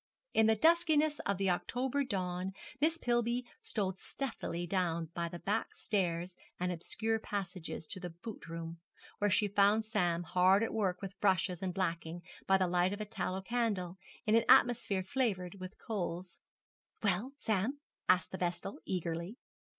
In the duskiness of the October dawn Miss Pillby stole stealthily down by back stairs and obscure passages to the boot room, where she found Sam hard at work with brushes and blacking, by the light of a tallow candle, in an atmosphere flavoured with coals. 'Well, Sam?' asked the vestal, eagerly.